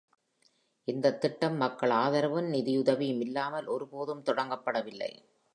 இந்த திட்டம் மக்கள் ஆதரவும் நிதியுதவியும் இல்லாமல், ஒருபோதும் தொடங்கப்படவில்லை.